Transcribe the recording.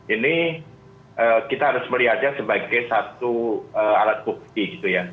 ini kita harus melihatnya sebagai satu alat bukti gitu ya